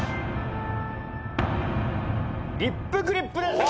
リップグリップです。